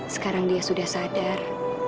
sekarang dia sudah sadar